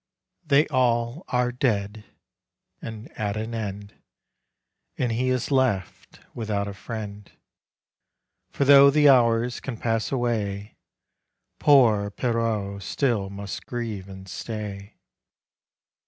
They all are dead — and at an end. And he is left without a friend. For tho' the hours can pass away Poor Pierrot still must grieve and stay.